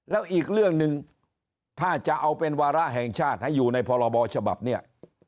แล้วอีกเรื่องหนึ่งถ้าจะเอาเป็นวาระแห่งชาติให้อยู่ในพรบฉบับเนี่ย